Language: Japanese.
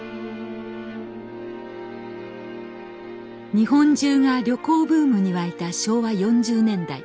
日本中が旅行ブームに沸いた昭和４０年代。